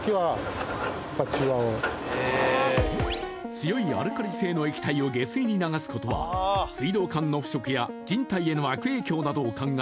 強いアルカリ性の液体を下水に流すことは水道管の腐食や人体への悪影響を考え